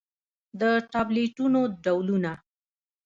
د ټابليټنو ډولونه: